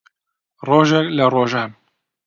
ڕۆژێک لە ڕۆژان